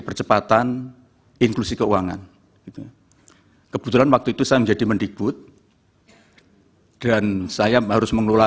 percepatan inklusi keuangan gitu kebetulan waktu itu saya menjadi mendikbud dan saya harus mengelola